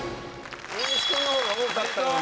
大西君の方が多かったのに。